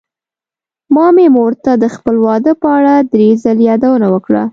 ما مې مور ته د خپل واده په اړه دری ځلې يادوونه وکړه.